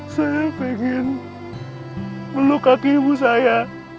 saya pengen melukak ibu saya